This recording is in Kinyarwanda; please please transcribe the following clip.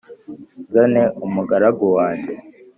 nzane umugaragu wanjye